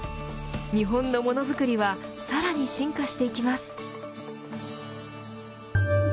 日本のものづくりはさらに進化していきます。